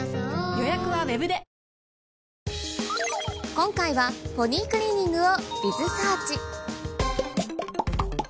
今回は「ポニークリーニング」を。